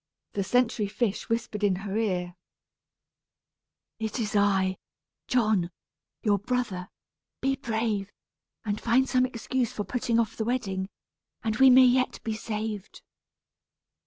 The sentry fish whispered in her ear: "It is I John your brother; be brave, and find some excuse for putting off the wedding, and we may yet be saved."